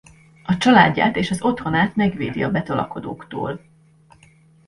A családját és az otthonát megvédi a betolakodóktól.